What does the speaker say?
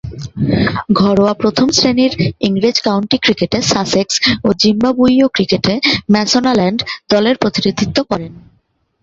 ঘরোয়া প্রথম-শ্রেণীর ইংরেজ কাউন্টি ক্রিকেটে সাসেক্স ও জিম্বাবুয়ীয় ক্রিকেটে ম্যাশোনাল্যান্ড দলের প্রতিনিধিত্ব করেন।